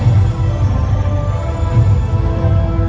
สโลแมคริปราบาล